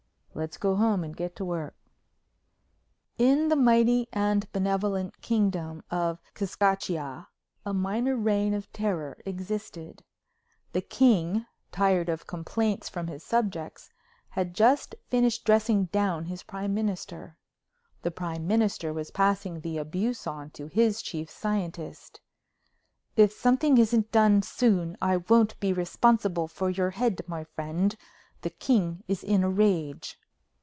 "Let's go home and get to work." In the Mighty and Benevolent Kingdom of Szkazia, a minor reign of terror existed. The King, tired of complaints from his subjects, had just finished dressing down his Prime Minister. The Prime Minister was passing the abuse on to his Chief Scientist. "If something isn't done soon, I won't be responsible for your head, my friend. The King is in a rage."